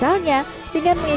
pertanyaan dari penulis